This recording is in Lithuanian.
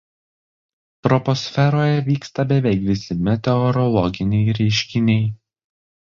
Troposferoje vyksta beveik visi meteorologiniai reiškiniai.